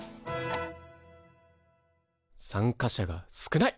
参加者が少ない！